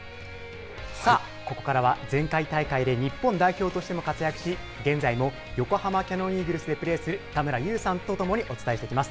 さあ、ここからは前回大会で日本代表としても活躍し、現在も横浜キヤノンイーグルスでプレーする田村優さんとともにお伝えしていきます。